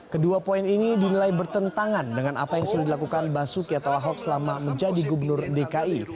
kedua poin ini dinilai bertentangan dengan apa yang sudah dilakukan basuki atau ahok selama menjadi gubernur dki